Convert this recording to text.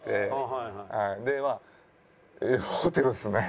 でまあホテルっすね。